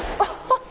あっ！